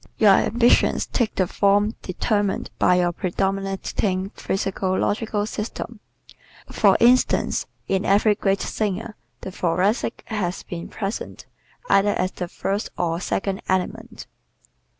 Your ambitions take the form determined by your predominating physiological system. For instance, in every great singer the Thoracic has been present either as the first or second element.